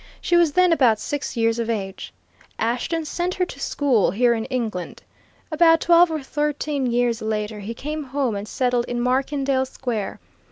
She was then about six years of age. Ashton sent her to school here in England. About twelve or thirteen years later, he came home and settled in Markendale Square.